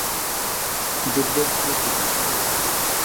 যুদ্ধের শুরু থেকেই।